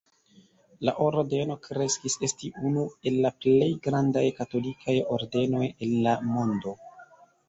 La ordeno kreskis esti unu el la plej grandaj katolikaj ordenoj en la mondo.